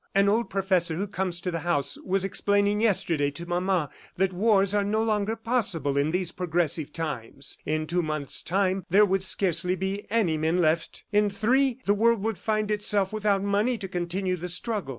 An old professor who comes to the house was explaining yesterday to mama that wars are no longer possible in these progressive times. In two months' time, there would scarcely be any men left, in three, the world would find itself without money to continue the struggle.